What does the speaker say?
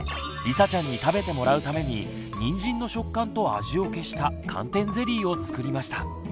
りさちゃんに食べてもらうためににんじんの食感と味を消した寒天ゼリーを作りました。